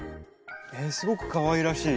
すごくかわいらしい。